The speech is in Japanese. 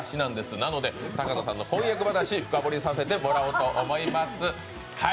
なので、高野さんの婚約話、深掘りさせてもらおうと思います。